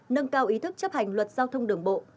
nâng cao ý thức chấp hành luật giao thông đường bộ